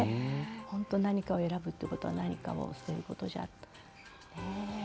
本当に何かを選ぶことは何かを捨てること。